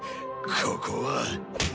ここは。